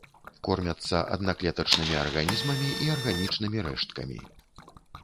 Кормяцца аднаклетачнымі арганізмамі і арганічнымі рэшткамі.